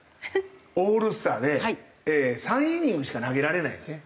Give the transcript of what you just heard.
オールスターで３イニングしか投げられないんですね